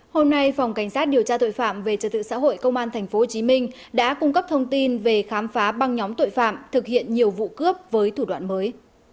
hôm nay phòng cảnh sát điều tra tội phạm về trật tự xã hội công an tp hcm đã cung cấp thông tin về khám phá băng nhóm tội phạm thực hiện nhiều vụ cướp với thủ đoạn mới